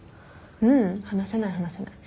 ううん話せない話せない。